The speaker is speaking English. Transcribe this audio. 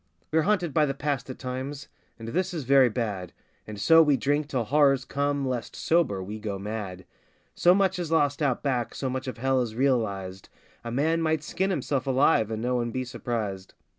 We're haunted by the past at times and this is very bad, And so we drink till horrors come, lest, sober, we go mad So much is lost Out Back, so much of hell is realised A man might skin himself alive and no one be surprised.